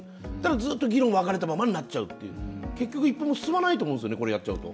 ずっと議論分かれたままになっちゃうという、結局１歩も進まないと思うんですよね。